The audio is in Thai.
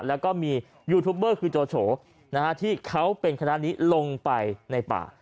แล้วก็มียูทูปเบอร์คือโจโฉที่เขาเป็นคณะนี้ลงไปในป่า